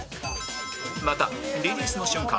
またリリースの瞬間